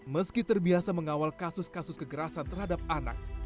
meski terbiasa mengawal kasus kasus kekerasan terhadap anak